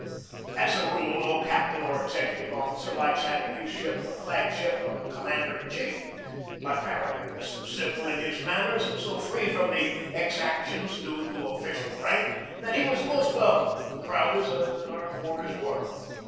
As a rule, no captain or executive officer likes having his ship the flag ship of a commander in chief. But Farragut was so simple in his manners and so free from the exactions due to official rank, that he was most welcome, crowded as our quarters were.